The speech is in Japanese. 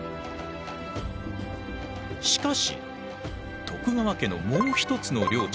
しかし徳川家のもう一つの領地